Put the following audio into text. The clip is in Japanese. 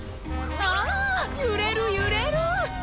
あゆれるゆれる！